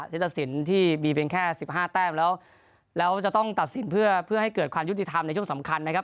เซ็ตที่มีเป็น๑๕แด้มแล้วจะต้องตัดสินให้เกิดความยุติธรรมในช่วงสำคัญไหม